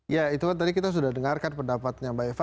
ya itu kan tadi kita sudah dengarkan pendapatnya mbak eva